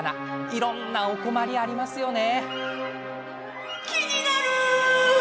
いろんなお困り、ありますよね。